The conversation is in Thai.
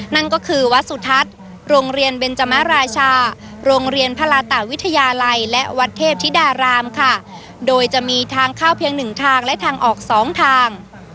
นั่นก็คือวัดสุทัศน์โรงเรียนเบนจมราชาโรงเรียนพระราตาวิทยาลัยและวัดเทพธิดารามค่ะโดยจะมีทางเข้าเพียงหนึ่งทางและทางออกสองทาง